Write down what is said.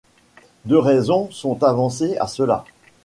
Deux raisons sont avancées à cela.